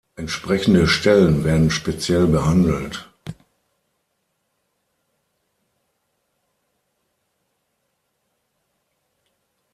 Entsprechende Stellen werden speziell behandelt.